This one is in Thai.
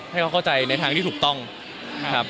ให้เขาเข้าใจในทางที่ถูกต้องครับ